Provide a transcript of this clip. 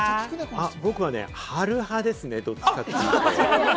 僕は春派ですね、どっちかって言うと。